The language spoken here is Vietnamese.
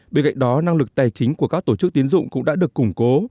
bên cạnh đó năng lực tài chính của các tổ chức tiến dụng cũng đã được củng cố